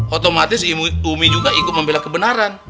otomatis umi juga ikut membela kebenaran